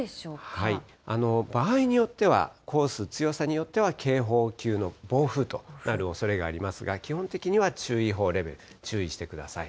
場合によってはコース、強さによっては、警報級の暴風となるおそれがありますが、基本的には注意報レベル、注意してください。